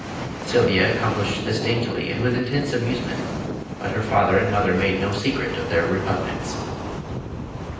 Sylvia accomplished this daintily and with intense amusement, but her father and mother made no secret of their repugnance.